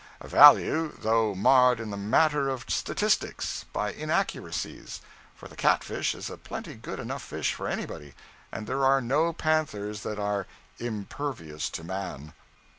A value, though marred in the matter of statistics by inaccuracies; for the catfish is a plenty good enough fish for anybody, and there are no panthers that are 'impervious to man.'